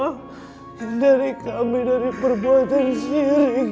hindari kami dari perbuatan sirik